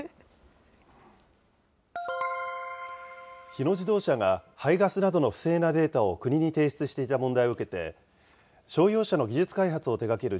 日野自動車が、排ガスなどの不正なデータを国に提出していた問題を受けて、商用車の技術開発を手がける